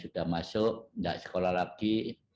sudah masuk tidak sekolah lagi